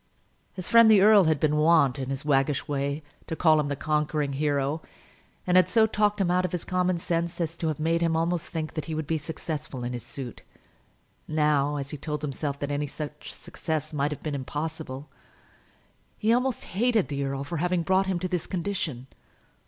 His friend the earl had been wont, in his waggish way, to call him the conquering hero, and had so talked him out of his common sense as to have made him almost think that he would be successful in his suit. Now, as he told himself that any such success must have been impossible, he almost hated the earl for having brought him to this condition.